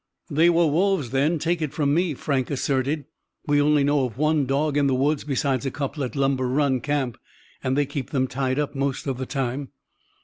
"They were wolves, then, take it from me," Frank asserted. "We only know of one dog in the woods besides a couple at Lumber Run Camp, and they keep them tied up most of the time."